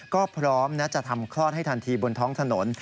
ก็พร้อมนะจะทำคลอดให้ทันทีบนท้องถนน